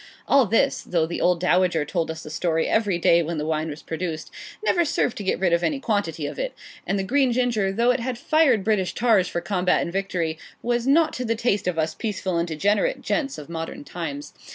All this, though the old dowager told us the story every day when the wine was produced, never served to get rid of any quantity of it and the green ginger, though it had fired British tars for combat and victory, was not to the taste of us peaceful and degenerate gents of modern times.